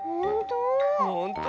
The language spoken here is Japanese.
ほんと？